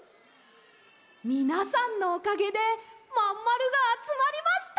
みなさんのおかげでまんまるがあつまりました。